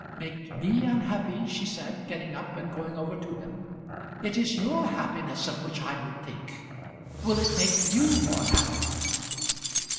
"Make me unhappy!" she said getting up and going over to him. "It is your happiness of which I would think. Will it make you more happy?"